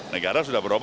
negara sudah beroposisi